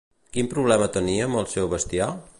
Quin problema tenia amb el seu bestiar?